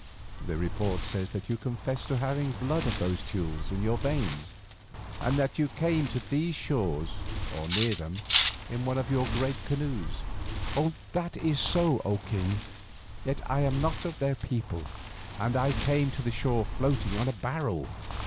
"The report says that you confess to having the blood of these Teules in your veins, and that you came to these shores, or near them, in one of their great canoes." "That is so, O king, yet I am not of their people, and I came to the shore floating on a barrel."